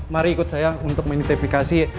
mari ikut saya untuk mengidentifikasi